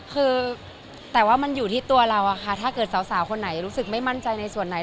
คือแต่ว่ามันอยู่ที่ตัวเราอะค่ะถ้าเกิดสาวคนไหนรู้สึกไม่มั่นใจในส่วนไหน